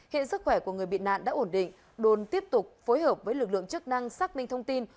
hiện sức khỏe của người bị nạn đã ổn định đồn tiếp tục phối hợp với lực lượng chức năng xác minh thông tin